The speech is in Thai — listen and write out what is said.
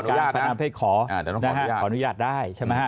การพนันประเภทขอนะฮะขออนุญาตได้ใช่ไหมฮะ